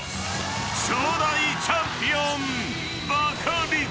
［初代チャンピオン］